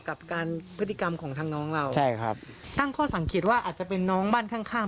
กับการพฤติกรรมของทางน้องเราใช่ครับตั้งข้อสังเกตว่าอาจจะเป็นน้องบ้านข้างข้าง